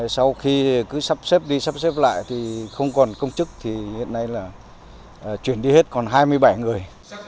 sau khi cứ sắp xếp đi sắp xếp lại thì không còn công chức thì hiện nay là chuyển đi hết còn hai mươi bảy người